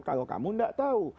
kalau kamu tidak tahu